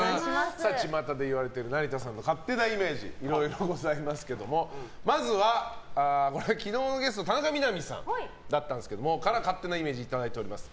ちまたで言われている成田さんの勝手なイメージいろいろございますけどもまずは、昨日のゲスト田中みな実さんから勝手なイメージをいただいています。